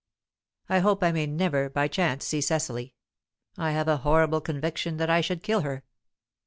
"I hope I may never by chance see Cecily; I have a horrible conviction that I should kill her.